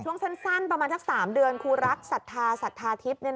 ช่วงสั้นประมาณสัก๓เดือนครูรักศรัทธาศรัทธาทิพย์